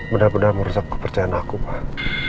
benar benar merusak kepercayaan aku pak